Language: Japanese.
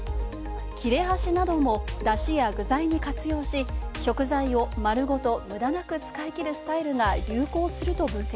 切れ端なども、だしや具材に活用し食材をまるごと、むだなく使い切るスタイルが流行すると分析。